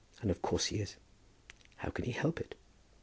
And of course he is. How can he help it?"